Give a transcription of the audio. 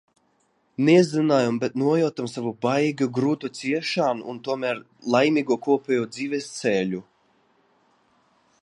Nezinājām, bet nojautām savu baigo, grūto ciešanu un tomēr laimīgo, kopējo dzīves ceļu.